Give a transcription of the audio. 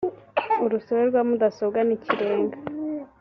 urusobe rwa mudasobwa nikirenga